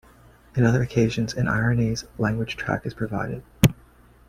In other occasions, an Aranese language track is provided.